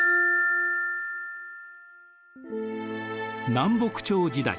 南北朝時代